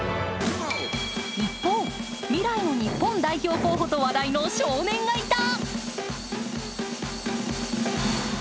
一方、未来の日本代表候補と話題の少年がいた。